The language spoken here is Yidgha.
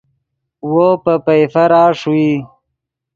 وو پے پئیفرا ݰوئی